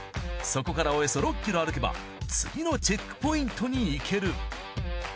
そこからおよそ６ｋｍ歩けば次のチェックポイントに行ける。